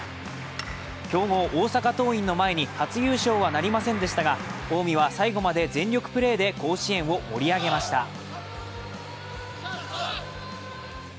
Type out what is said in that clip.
強豪・大阪桐蔭の前に初優勝はなりませんでしたが近江は最後まで全力プレーで甲子園を盛り上げました。